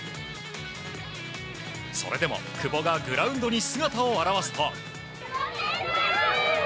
それでも、久保がグラウンドに姿を現すと。